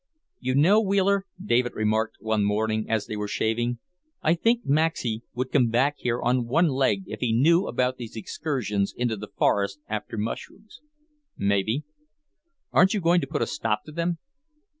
"You know, Wheeler," David remarked one morning as they were shaving, "I think Maxey would come back here on one leg if he knew about these excursions into the forest after mushrooms." "Maybe." "Aren't you going to put a stop to them?"